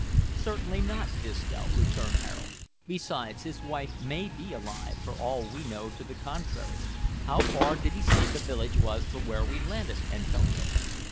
"Certainly not, Disco," returned Harold. "Besides, his wife may be alive, for all we know to the contrary. How far did he say the village was from where we landed, Antonio?"